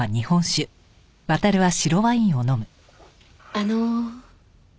あの。